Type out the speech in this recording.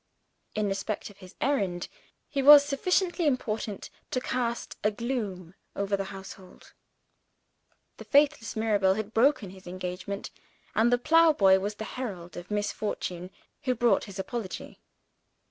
In respect of his errand, he was sufficiently important to cast a gloom over the household. The faithless Mirabel had broken his engagement, and the plowboy was the herald of misfortune who brought his apology.